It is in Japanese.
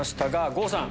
郷さん